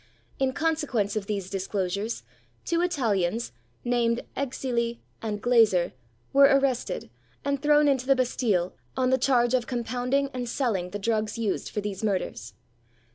In consequence of these disclosures, two Italians, named Exili and Glaser, were arrested, and thrown into the Bastille, on the charge of compounding and selling the drugs used for these murders.